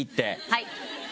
はい。